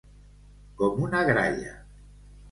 Com una gralla.